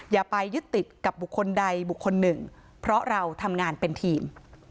อย่าไปยึดติดกับบุคคลใดบุคคลหนึ่งเพราะเราทำงานเป็นทีม